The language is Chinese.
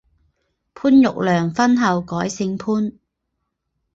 潘玉良婚后改姓潘。